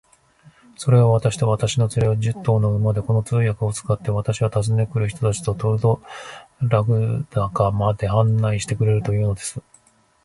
それは、私と私の連れを、十頭の馬で、この通訳を使って、私は訪ねて来る人たちとトラルドラグダカまで案内してくれるというのです。